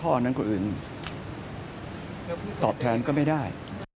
อันนั้นคนอื่นตอบแทนก็ไม่ได้